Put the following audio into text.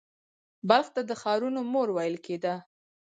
بلخ ته د ښارونو مور ویل کیده